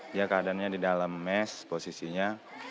dia keadaannya di dalam mes posisinya